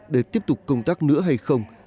để tiếp tục công tác nữa hay không